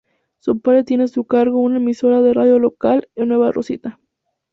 Su padre tiene a su cargo una emisora de radio local en Nueva Rosita.